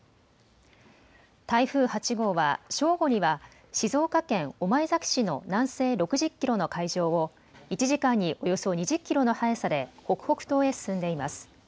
台風８号は正午には静岡県御前崎市の南西６０キロの海上を１時間におよそ２０キロの速さで北北東へ進んでいます。